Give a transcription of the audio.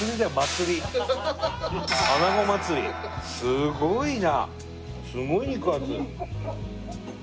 すごいな。